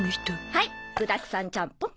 はい具だくさんちゃんぽん。